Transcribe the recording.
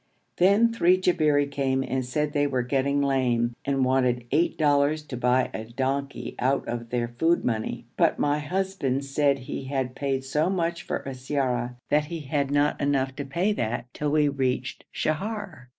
Then three Jabberi came and said they were getting lame, and wanted eight dollars to buy a donkey out of their food money, but my husband said he had paid so much for siyara that he had not enough to pay that till we reached Sheher.